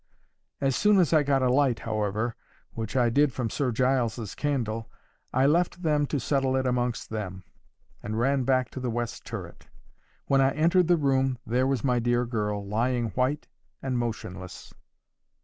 As soon as I got a light, however, which I did from Sir Giles's candle, I left them to settle it amongst them, and ran back to the west turret. When I entered the room, there was my dear girl lying white and motionless.